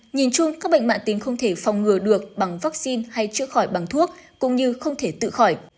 nhìn chung các bệnh mạng tính không thể phòng ngừa được bằng vaccine hay chữa khỏi bằng thuốc cũng như không thể tự khỏi